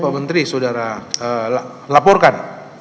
pak menteri saudara laporkan